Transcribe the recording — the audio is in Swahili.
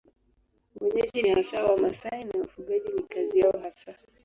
Wenyeji ni hasa Wamasai na ufugaji ni kazi yao hasa.